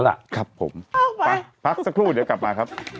แหละเข้าไปพักกลับมา